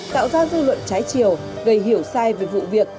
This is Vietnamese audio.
tạo ra dư luận trái chiều gây hiểu sai về vụ việc